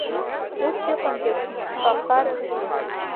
Ус иҟандаз ишшәаҳҳәарыз, аха…